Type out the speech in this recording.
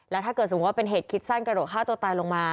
ถ้าเกิดสมมุติว่าเป็นเหตุคิดสั้นกระโดดฆ่าตัวตายลงมา